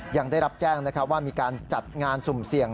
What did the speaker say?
ยังได้รับแจ้งว่ามีการจัดงานสุ่มเสี่ยง